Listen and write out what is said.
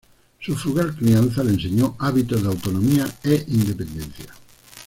Su frugal crianza le enseñó hábitos de autonomía e independencia.